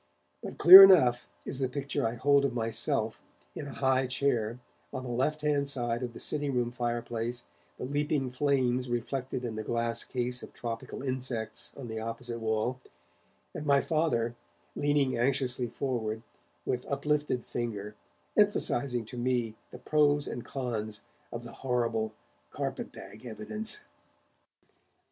But clear enough is the picture I hold of myself, in a high chair, on the left hand side of the sitting room fireplace, the leaping flames reflected in the glass case of tropical insects on the opposite wall, and my Father, leaning anxiously forward, with uplifted finger, emphasizing to me the pros and cons of the horrible carpet bag evidence.